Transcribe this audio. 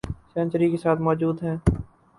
century کے ساتھ موجود ہیں